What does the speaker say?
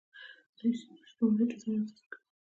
دوی سیسټمونه ډیزاین او نصب کوي.